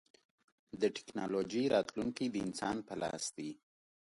د ټکنالوجۍ راتلونکی د انسان په لاس دی.